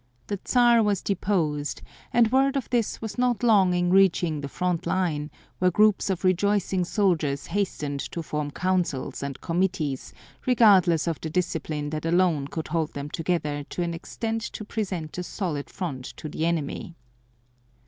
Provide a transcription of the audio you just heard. The Czar was deposed, and word of this was not long in reaching the front line, where groups of rejoicing soldiers hastened to form councils and committees regardless of the discipline that alone could hold them together to an extent to present a solid front to the enemy.